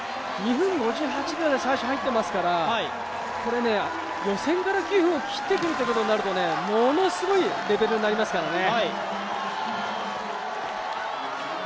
２分５８秒で最初入ってますから予選から９分を切ってくるとなるとものすごいレベルになりますよね。